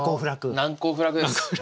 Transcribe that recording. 難攻不落です。